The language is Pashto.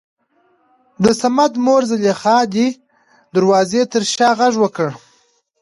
دصمد مور زليخا دې دروازې تر شا غږ وکړ.